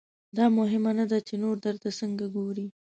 دا مهمه نه ده چې نور درته څنګه ګوري.